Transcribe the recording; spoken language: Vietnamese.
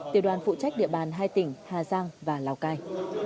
tiểu đoàn phụ trách địa bàn hai tỉnh hà giang và lào cai